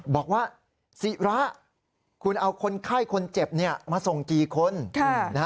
บอกว่าศิระคุณเอาคนไข้คนเจ็บมาส่งกี่คน